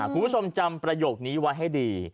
คุณผู้ชมจำประโยคนี้ไว้ให้ดี